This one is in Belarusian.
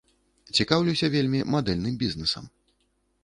Цікаўлюся вельмі мадэльным бізнесам.